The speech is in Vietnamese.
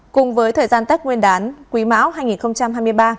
cùng với thời gian tết nguyên đán quý mão hai nghìn hai mươi ba